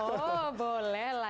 oh boleh lah